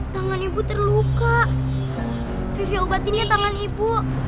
tangan ibu terluka vivi obatin ya tangan ibu